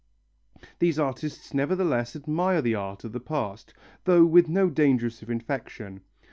These artists nevertheless admire the art of the past, though with no danger of infection.